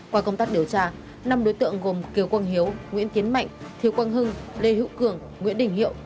qua công tác điều tra năm đối tượng gồm kiều quang hiếu nguyễn tiến mạnh thiếu quang hưng lê hữu cường nguyễn đình hiệu